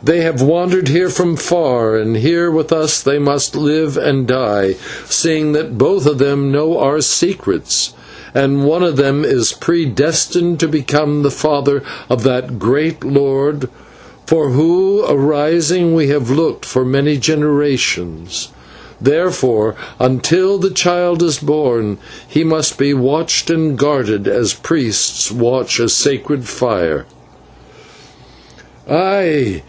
They have wandered here from far, and here with us they must live and die, seeing that both of them know our secrets, and one of them is predestined to become the father of that great lord for whose arising we have looked for many generations, and therefore, until the child is born, he must be watched and guarded as priests watch a sacred fire." "Ay!